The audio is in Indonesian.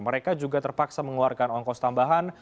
mereka juga terpaksa mengeluarkan ongkos tambahan